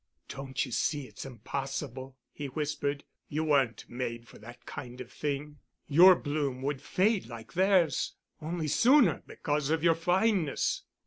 "Don't you see it's impossible?" he whispered. "You weren't made for that kind of thing. Your bloom would fade like theirs, only sooner because of your fineness.